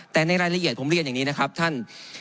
แต่ในรายละเอียดผมเรียนอย่างนี้นะครับท่าน